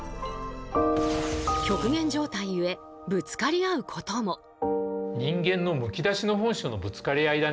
極限状態ゆえぶつかり合うことも。え！？